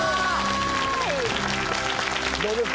どうですか？